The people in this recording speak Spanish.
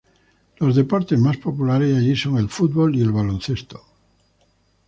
Los deportes más populares allí son el fútbol y el baloncesto.